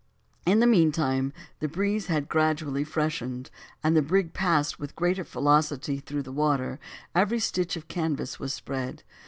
In the meantime the breeze had gradually freshened, and the brig passed with greater velocity through the water; every stitch of canvas was spread.